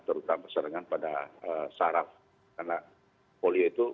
terutama serangan pada saraf karena polio itu